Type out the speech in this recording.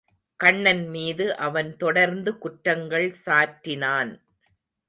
கண்ணன் மீது அவன் தொடர்ந்து குற்றங்கள் சாற்றி னான்.